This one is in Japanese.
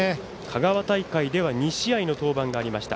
香川大会では２試合の登板がありました